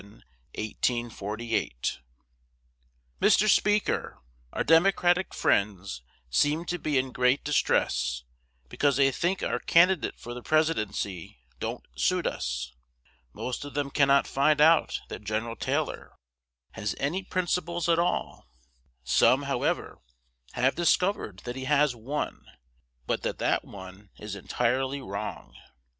Mr. Speaker, Our Democratic friends seem to be in great distress because they think our candidate for the Presidency don't suit us. Most of them cannot find out that Gen. Taylor has any principles at all; some, however, have discovered that he has one, but that that one is entirely wrong.